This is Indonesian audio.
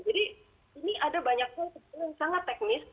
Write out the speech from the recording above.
jadi ini ada banyak hal hal yang sangat teknis